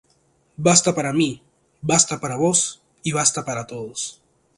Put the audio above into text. Basta para mí, Basta para vos y Basta para todos.